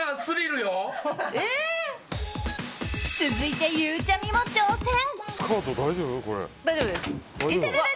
続いて、ゆうちゃみも挑戦。